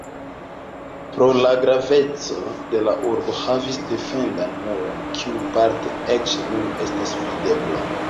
Pro la graveco la urbo havis defendan muron, kiu parte eĉ nun estas videbla.